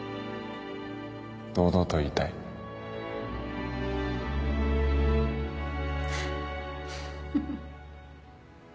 堂々と言いたいフフッ。